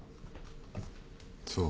そう。